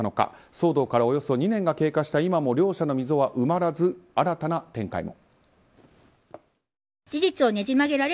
騒動からおよそ２年が経過した今も両者の溝は埋まらず新たな展開も。